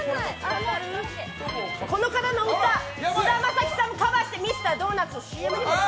この方の歌菅田将暉さんもカバーしてミスタードーナツのＣＭソングも！